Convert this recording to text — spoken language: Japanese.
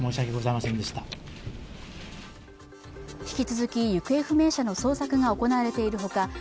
引き続き行方不明者の捜索が行われているほか